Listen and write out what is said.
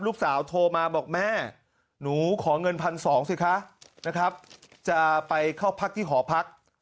ลูกสาวโทรมาบอกแม่หนูขอเงิน๑๒๐๐สิคะจะไปเข้าพักที่หอพัก